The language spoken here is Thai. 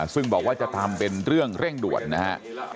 ซึ่งบอกว่าจะทำเป็นเรื่องเร่งด่วนนะฮะ